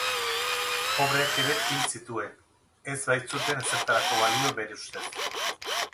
Pobreak ere hil zituen, ez baitzuten ezertarako balio bere ustez.